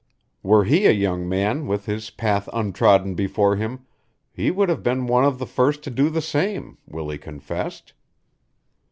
Were he a young man with his path untrodden before him he would have been one of the first to do the same, Willie confessed.